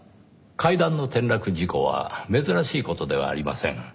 階段の転落事故は珍しい事ではありません。